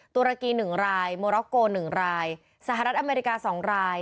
ตุรกีหนึ่งรายมอร็อกโก้หนึ่งรายสหรัฐอเมริกาสองราย